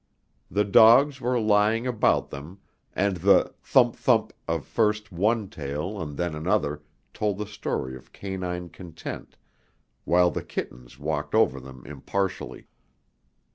The dogs were lying about them, and the thump, thump of first one tail and then another told the story of canine content, while the kittens walked over them impartially.